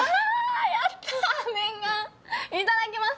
いただきます！